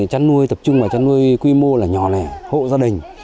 trăn nuôi tập trung vào trăn nuôi quy mô là nhỏ lẻ hộ gia đình